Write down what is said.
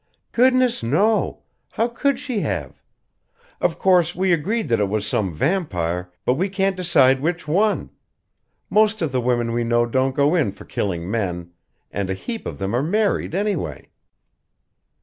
"Goodness, no! How could she have? Of course, we agreed that it was some vampire; but we can't decide which one. Most of the women we know don't go in for killing men; and a heap of them are married, anyway."